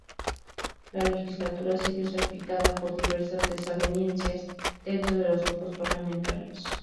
La legislatura se vio salpicada por diversas desavenencias dentro de los grupos parlamentarios.